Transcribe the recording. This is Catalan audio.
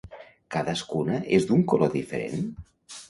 Cadascuna és d'un color diferent?